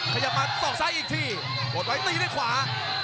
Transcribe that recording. ขยับมาสอกซ้ายอีกทีกดไว้ตีด้วยขวา